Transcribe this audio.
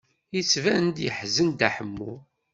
Yettban-d yeḥzen Dda Ḥemmu.